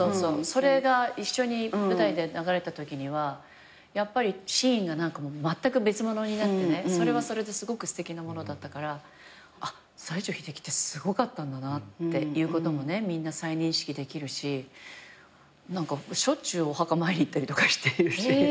それが一緒に舞台で流れたときにはやっぱりシーンがまったく別物になってそれはそれですごくすてきなものだったからあっ西城秀樹ってすごかったんだなっていうこともみんな再認識できるししょっちゅうお墓参り行ったりとかしてる。